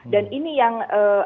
dan ini yang